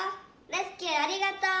レスキューありがとう！」。